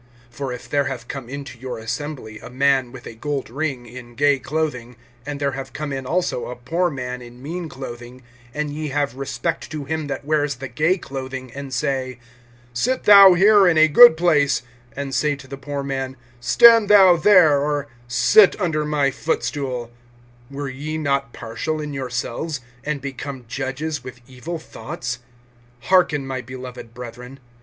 (2)For if there have come into your assembly a man with a gold ring, in gay clothing, and there have come in also a poor man in mean clothing; (3)and ye have respect to him that wears the gay clothing, and say: Sit thou here in a good place, and say to the poor man: Stand thou there, or, Sit under my footstool; (4)were ye not partial in yourselves, and become judges with evil thoughts? (5)Hearken, my beloved brethren.